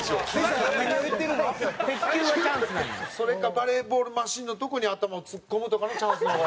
それかバレーボールマシンのとこに頭を突っ込むとかのチャンスの方が。